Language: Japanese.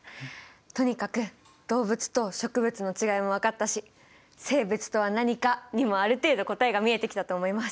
とにかく動物と植物のちがいも分かったし「生物とは何か」にもある程度答えが見えてきたと思います。